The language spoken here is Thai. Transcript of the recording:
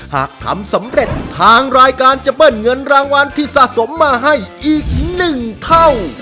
หากทำสำเร็จทางรายการจะเบิ้ลเงินรางวัลที่สะสมมาให้อีก๑เท่า